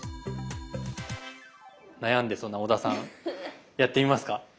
悩んでそうな小田さんやってみますか？